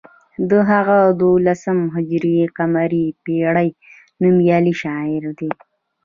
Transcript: هغه د دولسم هجري قمري پیړۍ نومیالی شاعر دی.